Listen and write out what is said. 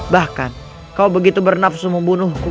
bahkan kau begitu bernafsu membunuhku